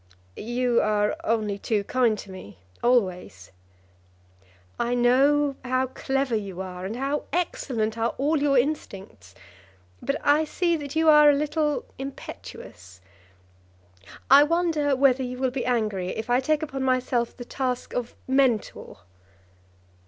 "You are only too kind to me, always." "I know how clever you are, and how excellent are all your instincts; but I see that you are a little impetuous. I wonder whether you will be angry if I take upon myself the task of mentor."